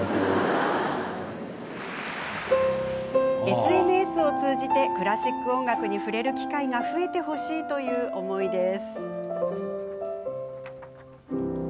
ＳＮＳ を通じてクラシック音楽に触れる機会が増えてほしいという思いです。